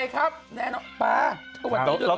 สวัสดีปีใหม่ไทยครับ